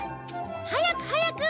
早く早く！